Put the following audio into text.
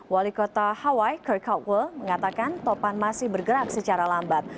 wali kota hawaii kri kao mengatakan topan masih bergerak secara lambat